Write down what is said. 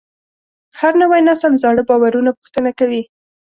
هر نوی نسل زاړه باورونه پوښتنه کوي.